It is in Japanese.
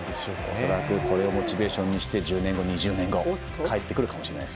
恐らく、これをモチベーションにして１０年後、２０年後帰ってくるかもしれないです